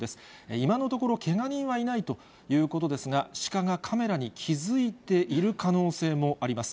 今のところ、けが人はいないということですが、シカがカメラに気付いている可能性もあります。